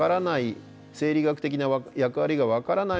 生理学的な役割が分からない